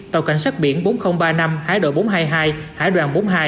tàu cảnh sát biển bốn nghìn ba mươi năm hải đội bốn trăm hai mươi hai hải đoàn bốn mươi hai